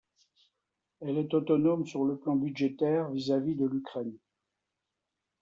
Elle est autonome sur le plan budgétaire vis-à-vis de l'Ukraine.